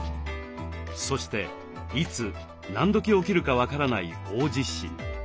そしていつ何時起きるか分からない大地震。